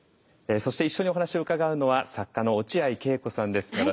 そして一緒にお話を伺うのは作家の落合恵子さんです。